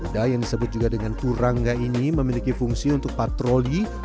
tidak yang disebut juga dengan purangga ini memiliki fungsi untuk patung kuda yang memiliki sederet tugas strategis